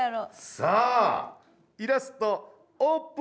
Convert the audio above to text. さあイラストオープン。